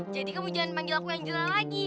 jadi kamu jangan panggil aku angel lagi